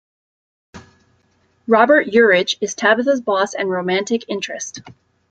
Robert Urich is Tabitha's boss and romantic interest.